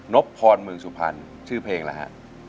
นบพรเมืองสุภัณฑ์ชื่อเพลงล่ะฮะ